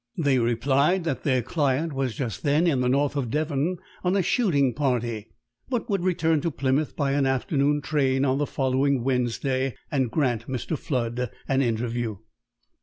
They replied that their client was just then in the north of Devon on a shooting party, but would return to Plymouth by an afternoon train on the following Wednesday and grant Mr. Flood an interview.